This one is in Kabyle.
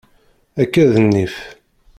Akka d nnif.